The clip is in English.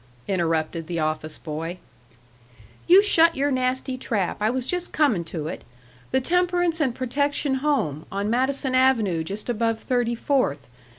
_" interrupted the office boy. "You shut your nasty trap. I was just coming to it. The Temperance and Protection Home, on Madison Avenue just above Thirty fourth.